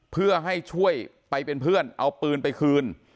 เพื่อให้ช่วยไปเป็นเพื่อนเอาปืนไปคืน